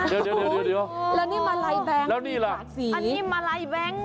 เดี๋ยวแล้วนี่มาลัยแบงค์แล้วนี่ล่ะสิอันนี้มาลัยแบงค์